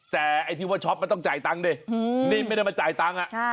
แต่ไอ้ที่ว่าช็อปมันต้องจ่ายตังค์ดินี่ไม่ได้มาจ่ายตังค์